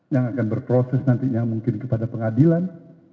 yang akan berproses nantinya mungkin kepada pengadilan